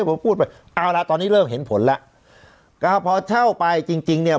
ผมพูดไปเอาละตอนนี้เริ่มเห็นผลแล้วก็พอเช่าไปจริงจริงเนี่ย